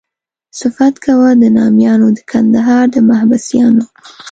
صفت کومه د نامیانو د کندهار د محبسیانو.